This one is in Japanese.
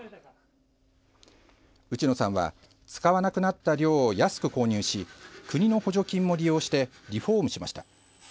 内野さんは使わなくなった寮を安く購入し国の補助金も利用してリフォームしました。